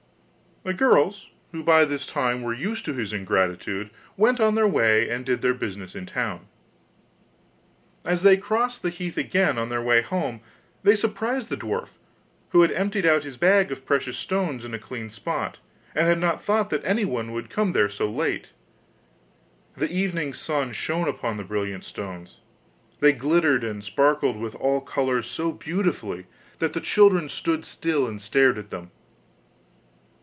The girls, who by this time were used to his ingratitude, went on their way and did their business in town. As they crossed the heath again on their way home they surprised the dwarf, who had emptied out his bag of precious stones in a clean spot, and had not thought that anyone would come there so late. The evening sun shone upon the brilliant stones; they glittered and sparkled with all colours so beautifully that the children stood still and stared at them.